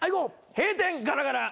閉店ガラガラ。